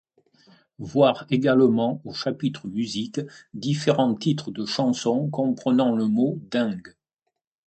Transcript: Voir également au chapitre Musique, différents titres de chansons comprenant le mot ding.